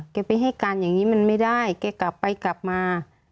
ไปให้การอย่างนี้มันไม่ได้แกกลับไปกลับมา